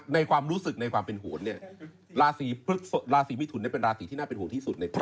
ความรู้สึกในความเป็นโหนเนี่ยราศีมิถุนเนี่ยเป็นราศีที่น่าเป็นห่วงที่สุดในไทย